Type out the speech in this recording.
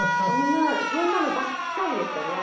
そんなのばっかりでしたね。